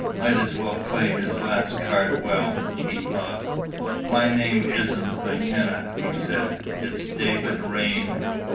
Might as well play his last card well, he thought. "My name isn't McKenna," he said. "It's David Raine.